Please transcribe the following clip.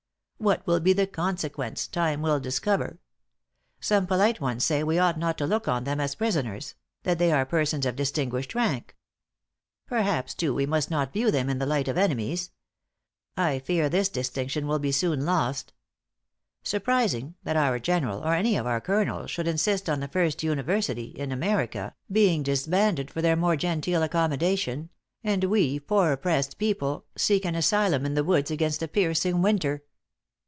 What will be the consequence, time will discover. Some polite ones say we ought not to look on them as prisoners that they are persons of distinguished rank. Perhaps, too, we must not view them in the light of enemies. I fear this distinction will be soon lost. Surprising that our general, or any of our colonels, should insist on the first university in America being disbanded for their more genteel accommodation; and we, poor oppressed people, seek an asylum in the woods against a piercing winter!